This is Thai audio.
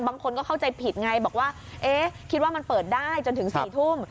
บางคนก็เข้าใจผิดไงบอกว่าเอ๊ะคิดว่ามันเปิดได้จนถึง๔ทุ่ม